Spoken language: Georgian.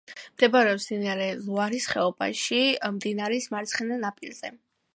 მდებარეობს მდინარე ლუარის ხეობაში, მდინარის მარცხენა ნაპირზე.